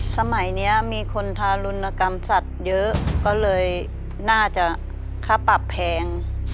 สมัยนี้มีคนทารุณกรรมสัตว์เยอะก็เลยน่าจะค่าปรับแพง